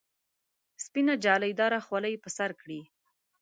سپینه جالۍ داره خولۍ پر سر کړي.